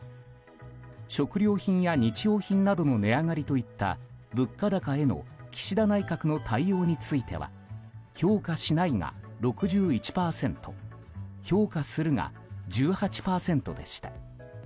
食料品や日用品などの値上がりといった物価高への岸田内閣の対応については評価しないが６１％評価するが１８％でした。